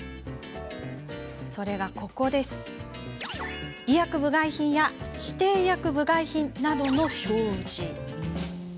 それがここ、医薬部外品や指定医薬部外品などの表示。